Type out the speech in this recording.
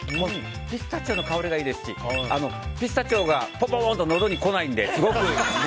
ピスタチオの香りがいいですしピスタチオがポーンとのどにこないので